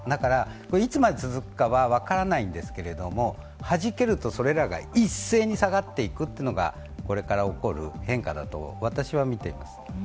いつまで続くかは分からないんですけれども、弾けるとそれらが一斉に下がっていくというのがこれから起こる変化だと私は見ています。